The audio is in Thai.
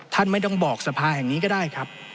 ท่านไม่ต้องบอกสภาแห่งนี้ก็ได้ครับ